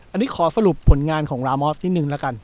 อันนี้ขอสรุปผลงานของรามอสนิดนึงแล้วกัน